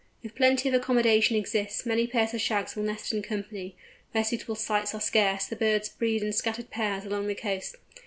If plenty of accommodation exists many pairs of Shags will nest in company; where suitable sites are scarce the birds breed in scattered pairs along the coast.